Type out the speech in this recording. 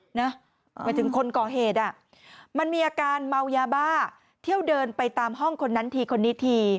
หมายถึงคนก่อเหตุมันมีอาการเมายาบ้าเที่ยวเดินไปตามห้องคนนั้นทีคนนี้ที